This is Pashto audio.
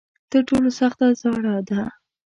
تر ټولو سخته زیاړه ده.